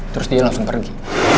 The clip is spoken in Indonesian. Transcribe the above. terus dia langsung pergi